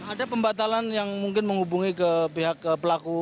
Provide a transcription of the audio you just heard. ada pembatalan yang mungkin menghubungi ke pihak pelaku